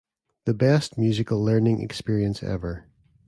The best musical learning experience ever.